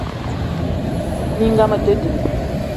Minga mete ding.